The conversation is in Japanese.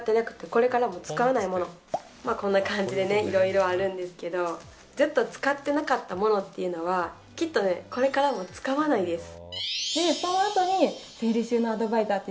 まあ、こんな感じでいろいろあるんですけどずっと使ってなかったものっていうのはきっとねこれからも使わないです。